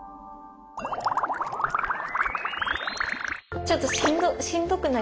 ちょっとしんどくなりました。